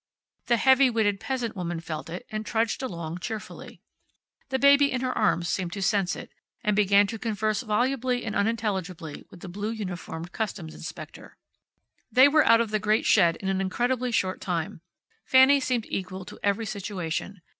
The heavy witted peasant woman felt it, and trudged along, cheerfully. The baby in her arms seemed to sense it, and began to converse volubly and unintelligibly with the blue uniformed customs inspector. They were out of the great shed in an incredibly short time. Fanny seemed equal to every situation.